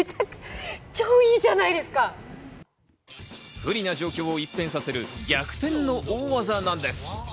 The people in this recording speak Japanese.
不利な状況を一変させる逆転の大技なんです。